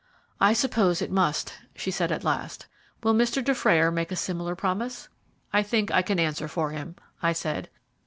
"I suppose it must," she said at last. "Will Mr. Dufrayer make a similar promise?" "I think I can answer for him," I said.